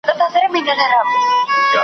څاڅکي څاڅکي ډېرېږي